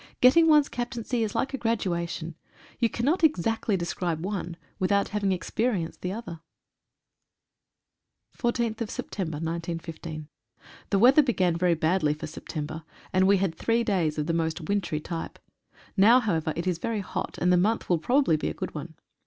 Getting one's captaincy is like a graduation. You cannot exactly describe one, without having experi enced the other. S <8> 14/9/15. HE weather began very badly for September, and we had three days of the most wintry type. Now. however, it is very hot, and the month will probably be a good one.